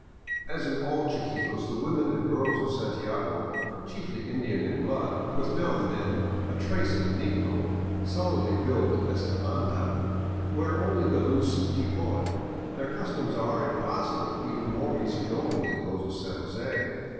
As in all Chiquitos, the women and girls of Santiago, chiefly Indian in blood, with now and then a trace of the negro, solidly built as an anta, wear only the loose tipoy. Their customs are, if possible, even more easy going than those of San Jose.